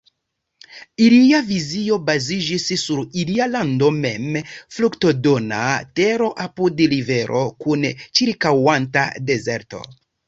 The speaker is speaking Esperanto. Ilia vizio baziĝis sur ilia lando mem, fruktodona tero apud rivero kun ĉirkaŭanta dezerto.